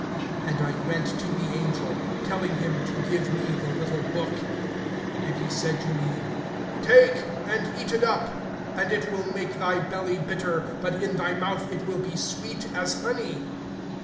(9)And I went to the angel, telling him to give me the little book. And he said to me: Take, and eat it up; and it will make thy belly bitter, but in thy mouth it will be sweet as honey.